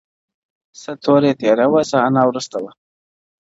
o څه توره تېره وه، څه انا ورسته وه!